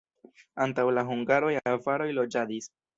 Antaŭ la hungaroj avaroj loĝadis.